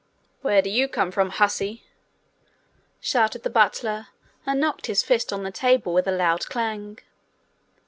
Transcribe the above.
'Where do you come from, hussy?' shouted the butler, and knocked his fist on the table with a loud clang.